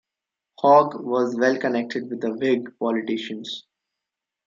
Hogg was well connected with Whig politicians.